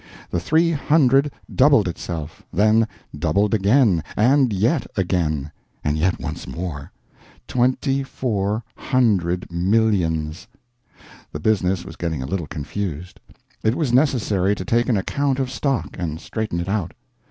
The three hundred double itself then doubled again and yet again and yet once more. Twenty four hundred millions! The business was getting a little confused. It was necessary to take an account of stock, and straighten it out.